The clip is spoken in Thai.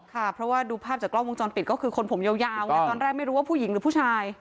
ค่ะเพราะว่าดูภาพจากกล้องวงจรปิดก็คือคนผมยาวตอนแรกไม่รู้ว่าผู้หญิงหรือผู้ชาย